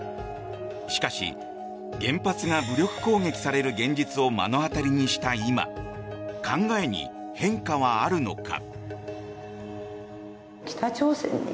しかし、原発が武力攻撃される現実を目の当たりにした今考えに変化はあるのか？